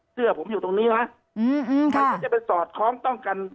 เสื้อผมอยู่ตรงนี้นะอืมอืมค่ะมันจะไปสอดค้องต้องกัน